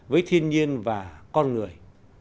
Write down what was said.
với thiên nhiên và con người